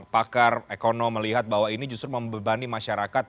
pakar ekonom melihat bahwa ini justru membebani masyarakat